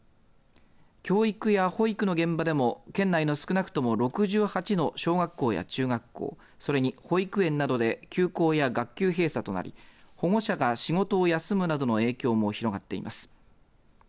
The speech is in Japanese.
教育や保育の現場でも県内の少なくとも６８の小学校や中学校それに保育園などで休校や学級閉鎖となり保護者が仕事を休むなどの影響も広がっています。